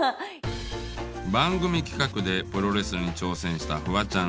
番組企画でプロレスに挑戦したフワちゃん。